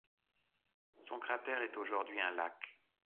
Son cratère est aujourd'hui un lac.